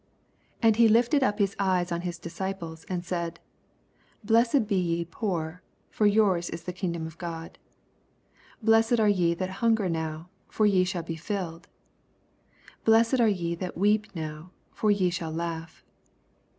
20 And he lifted np his eyes on his disciples, and said, Blessed he ye poor : for yours is the kingdom of God. 21 Blessed areyeth&t hunger now: for ye shall be flUed. Blessed are ye that weep now : for ye shall laugh.